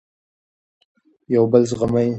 یو بل زغمئ.